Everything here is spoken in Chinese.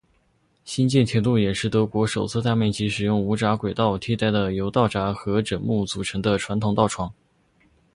新建线路也是德国首次大面积使用无砟轨道替代了由道砟和枕木组成的传统道床。